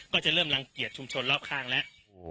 ก็จะเริ่มรังเกียจชุมชนรอบข้างแล้ว